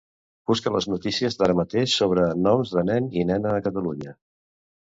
Buscar les notícies d'ara mateix sobre noms de nen i nena a Catalunya.